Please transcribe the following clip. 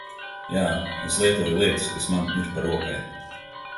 Jā, es lietoju lietas kas man ir pa rokai.